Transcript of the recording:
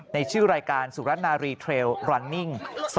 ในชื่อรายการสุรนารีเทรลรันนิ่ง